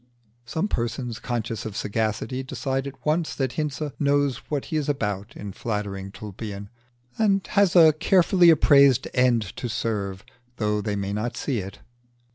Some persons conscious of sagacity decide at once that Hinze knows what he is about in flattering Tulpian, and has a carefully appraised end to serve though they may not see it.